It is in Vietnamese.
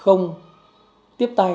không trực tiếp vận chuyển